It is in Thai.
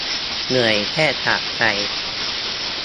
เหนื่อยแทบขาดใจ